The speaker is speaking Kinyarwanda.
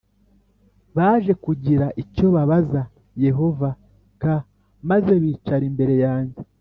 baje kugira icyo babaza Yehova k maze bicara imbere yanjye